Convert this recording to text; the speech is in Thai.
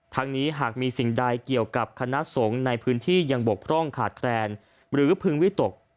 นี้หากมีสิ่งใดเกี่ยวกับคณะสงฆ์ในพื้นที่ยังบกพร่องขาดแคลนหรือพึงวิตก